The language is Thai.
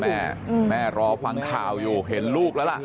ท่านแม่รอฟังข่าวอยู่เห็นลูกละล่ะ